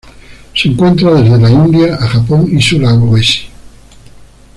Se encuentra desde la India a Japón y Sulawesi.